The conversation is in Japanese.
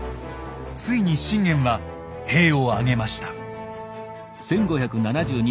ついに信玄は兵を挙げました。